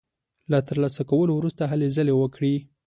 له تر لاسه کولو وروسته هلې ځلې وکړي.